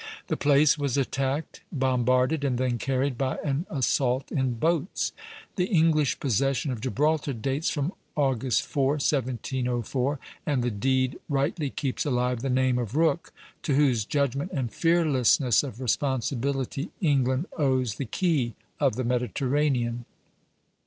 The place was attacked, bombarded, and then carried by an assault in boats. The English possession of Gibraltar dates from August 4, 1704, and the deed rightly keeps alive the name of Rooke, to whose judgment and fearlessness of responsibility England owes the key of the Mediterranean.